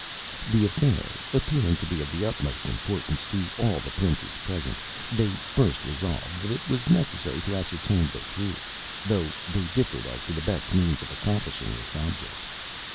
ŌĆØ The affair appearing to be of the utmost importance to all the princes present, they first resolved that it was necessary to ascertain the truth, though they differed as to the best means of accomplishing this object.